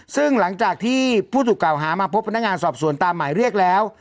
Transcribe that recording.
ซึ่งหลังจากที่ผู้ถูกกล่าวหามาพบพนักงานสอบสวนตามหมายเรียกแล้ว